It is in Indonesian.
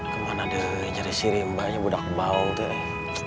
kemana deh nyarisirin banyak budak bau tuh ini